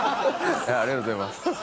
ありがとうございます。